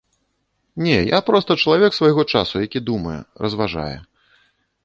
Не, я проста чалавек свайго часу, які думае, разважае.